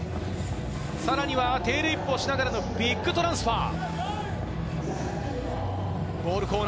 さらにはテールウィップをしながらのビッグトランスファー。